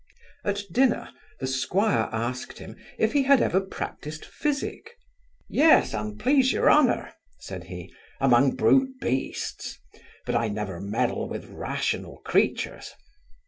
At dinner, the squire asked him, if he had ever practised physic? 'Yes, and please your honour (said he) among brute beasts; but I never meddle with rational creatures.